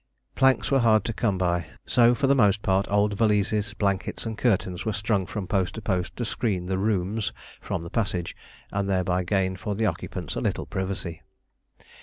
Planks were hard to come by, so for the most part old valises, blankets, and curtains were strung from post to post to screen the "rooms" from the passage, and thereby gain for the occupants a little privacy.